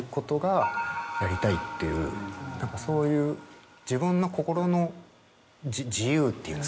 そういう自分の心の自由っていうんですかね。